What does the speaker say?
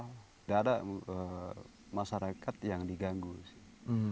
tidak ada masyarakat yang diganggu sih